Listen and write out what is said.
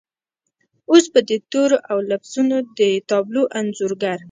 اوس به د تورو او لفظونو د تابلو انځورګر